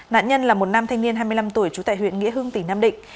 nạn nhân là một nam thanh niên hai mươi năm tuổi trú tại huyện nghĩa hương tỉnh nam định